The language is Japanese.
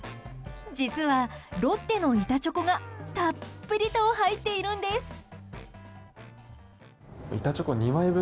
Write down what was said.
実はロッテの板チョコがたっぷりと入っているんです。